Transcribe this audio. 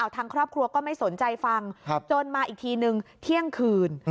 ทางครอบครัวก็ไม่สนใจฟังจนมาอีกทีนึงเที่ยงคืน